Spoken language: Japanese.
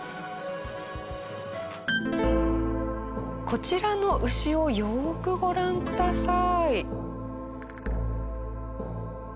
こちらの牛をよーくご覧ください。